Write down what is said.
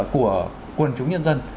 của quân chúng nhân dân